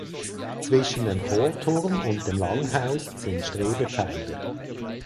Zwischen dem Chorturm und dem Langhaus sind Strebepfeiler.